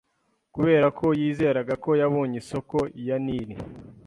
Kubera ko yizeraga ko yabonye isoko ya Nili